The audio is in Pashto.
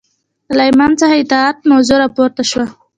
له امام څخه اطاعت موضوع راپورته شوه